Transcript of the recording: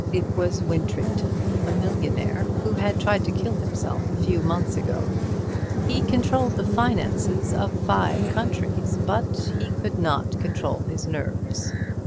It was Wintrington, a millionaire, who had tried to kill himself a few months ago. He controlled the finances of five countries, but he could not control his nerves.